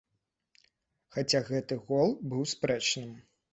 Хаця гэты гол быў спрэчным.